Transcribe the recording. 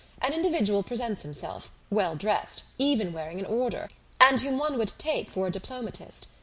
An individual presents himself, well dressed, even wearing an order, and whom one would take for a diplomatist.